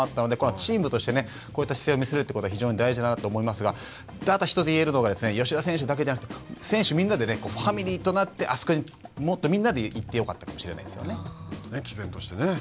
チームとしてこういった姿勢を見せるということは非常に大事だなと思いますがあと一つ言えるのは吉田選手だけじゃなくて選手みんなでファミリーとなってもっとみんなで行ってよかったかもしれないですよね。